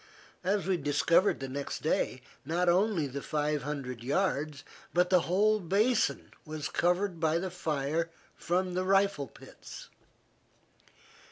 As we discovered the next day, not only the five hundred yards, but the whole basin was covered by the fire from the rifle pits.